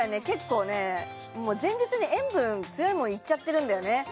結構ね前日に塩分強いもんいっちゃってるんだよね